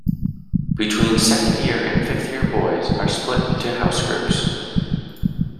Between Second Year and Fifth Year boys, are split into house groups.